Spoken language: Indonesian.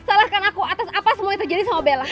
salahkan aku atas apa semua yang terjadi sama bella